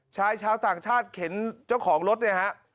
ชายชาวต่างชาติเข็นเจ้าของรถเนี่ยฮะ